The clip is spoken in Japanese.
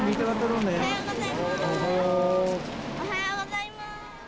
おはようございます。